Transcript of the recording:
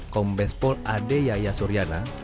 kompes pol ade yayasuryana